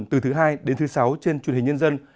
từ thứ hai đến thứ sáu trên truyền hình nhân dân